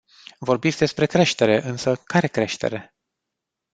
Vorbiți despre creștere, însă care creștere?